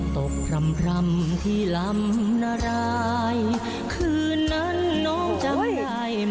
พร่ำที่ลำนารายคืนนั้นน้องจำได้ไหม